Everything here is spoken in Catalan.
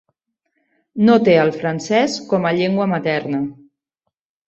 No té el francès com a llengua materna.